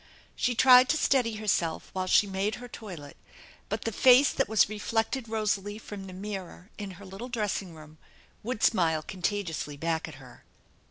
She tried to steady herself while she made her toilet, but the face that was reflected rosily from the mirror in her little dressing room would smile contagiously back at her.